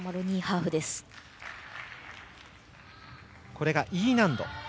これがＥ難度。